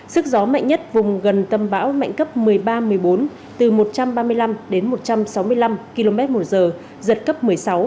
sức gió mạnh nhất vùng gần tâm bão mạnh cấp một mươi ba một mươi bốn từ một trăm ba mươi năm đến một trăm sáu mươi năm km một giờ giật cấp một mươi sáu